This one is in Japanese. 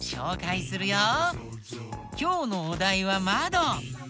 きょうのおだいは「まど」。